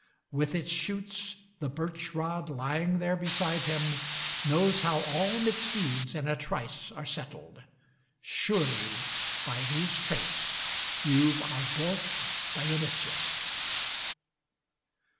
With its shoots, the birch rod lying there beside him Knows how all misdeeds in a trice are settled. Surely by these traits you've our dorf Dionysius!